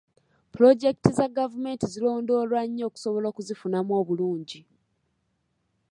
Pulojekiti za gavumenti zirondoolwa nnyo okusobola okuzifunamu obulungi.